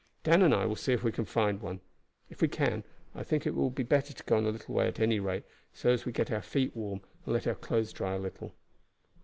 "Dan and I will see if we can find one. If we can, I think it will be better to go on a little way at any rate, so as to get our feet warm and let our clothes dry a little."